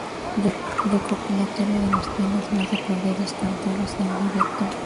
Recopilatorio de los temas más aplaudidos, cantados en directo.